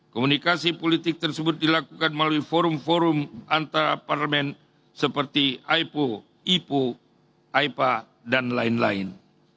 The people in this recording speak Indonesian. komunikasi politik tersebut dilakukan melalui forum forum antarparlemen seperti aipo ipo aipa dan lain lain